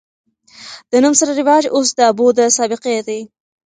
د نوم سره رواج اوس د ابو د سابقې دے